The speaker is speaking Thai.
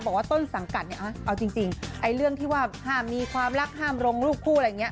บอกว่าต้นสังกัดเนี่ยเอาจริงไอ้เรื่องที่ว่าห้ามมีความรักห้ามลงรูปคู่อะไรอย่างนี้